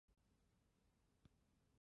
他是西班牙共产党和联合左翼的成员。